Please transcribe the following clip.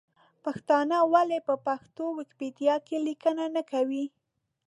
پښتانه ولې په پښتو ویکیپېډیا کې لیکنې نه کوي ؟